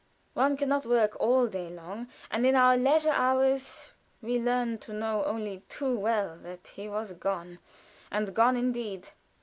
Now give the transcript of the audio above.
One can not work all day long, and in our leisure hours we learned to know only too well that he was gone and gone indeed.